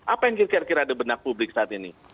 apa yang kira kira ada benak publik saat ini